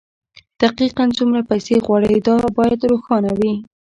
دقيقاً څومره پيسې غواړئ دا بايد روښانه وي.